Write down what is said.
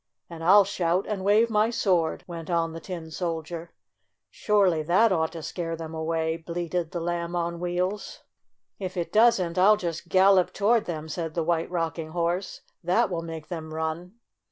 "And I'll shout and wave my sword," went on the Tin Soldier. "Surely that ought to scare them away," bleated the Lamb on Wheels. 6 STORY OF A SAWDUST DOLL "If it doesn't, I'll just gallop toward them," said the White Rocking Horse. "That will make them run!"